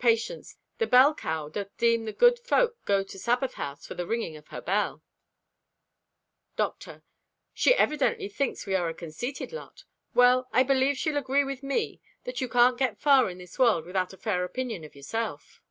Patience.—"The bell cow doth deem the good folk go to Sabboth house from the ringing of her bell." Doctor.—"She evidently thinks we are a conceited lot. Well, I believe she'll agree with me that you can't get far in this world without a fair opinion of yourself."